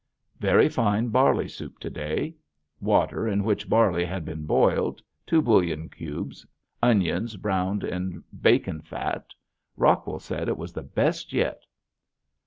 Very fine barley soup to day. Water in which barley had been boiled, two bouillon cubes, onions browned in bacon fat. Rockwell said it was the best yet.